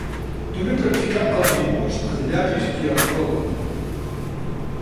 També practicà el dibuix al llapis i a la ploma.